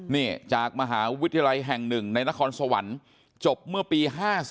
นี่จากมหาวิทยาลัยแห่ง๑ในนครสวรรค์จบเมื่อปี๕๔